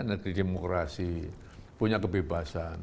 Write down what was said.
negeri demokrasi punya kebebasan